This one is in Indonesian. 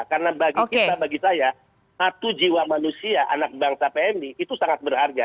karena bagi kita bagi saya satu jiwa manusia anak bangsa pmi itu sangat berharga